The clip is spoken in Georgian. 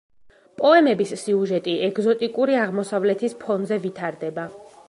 პოემების სიუჟეტი ეგზოტიკური აღმოსავლეთის ფონზე ვითარდება.